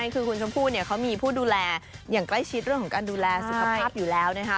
คือคุณชมพู่เขามีผู้ดูแลอย่างใกล้ชิดเรื่องของการดูแลสุขภาพอยู่แล้วนะคะ